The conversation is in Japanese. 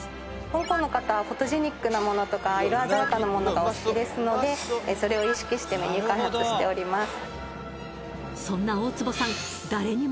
香港の方はフォトジェニックなものとか色鮮やかなものがお好きですのでそれを意識してメニュー開発しております